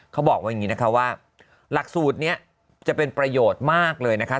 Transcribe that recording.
เขาบอกว่าอย่างนี้นะคะว่าหลักสูตรนี้จะเป็นประโยชน์มากเลยนะคะ